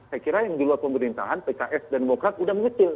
saya kira yang di luar pemerintahan pks dan demokrat sudah mengecil